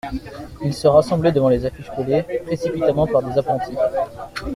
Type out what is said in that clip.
Ils se rassemblaient devant les affiches collées précipitamment par des apprentis.